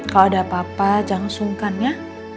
kalau ada apa apa jangan sungkan ya